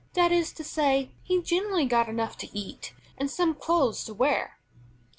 That is to say, he generally got enough to eat, and some clothes to wear.